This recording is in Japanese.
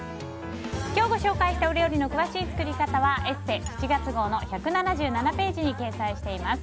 今日ご紹介した料理の詳しい作り方は「ＥＳＳＥ」７月号の１７７ページに掲載しています。